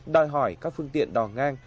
đòi hỏi các phương tiện đỏ ngang